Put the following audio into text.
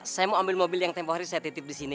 saya mau ambil mobil yang tempoh hari saya titip di sini